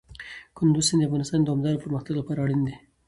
کندز سیند د افغانستان د دوامداره پرمختګ لپاره اړین دي.